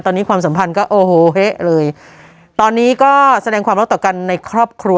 ตอนนี้ความสัมพันธ์ก็โอ้โหเฮะเลยตอนนี้ก็แสดงความรักต่อกันในครอบครัว